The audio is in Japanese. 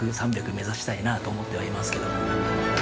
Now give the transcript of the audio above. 目指したいなとは思ってはいますけど。